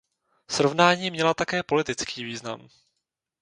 Srovnání měla také politický význam.